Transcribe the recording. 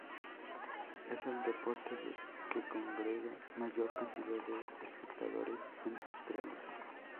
Es el deporte que congrega mayor cantidad de espectadores en Australia.